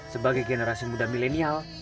sebagai generasi muda milenial